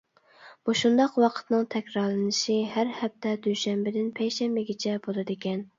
مۇشۇنداق ۋاقىتنىڭ تەكرارلىنىشى ھەر ھەپتە دۈشەنبىدىن پەيشەنبىگىچە بولىدىكەن.